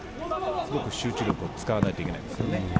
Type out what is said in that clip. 集中力を使わないといけないですね。